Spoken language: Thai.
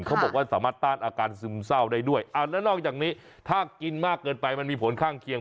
เขาบอกว่าสามารถต้านอาการซึมเศร้าได้ด้วยแล้วนอกจากนี้ถ้ากินมากเกินไปมันมีผลข้างเคียง